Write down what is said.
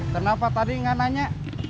kenapa tadi gak nanya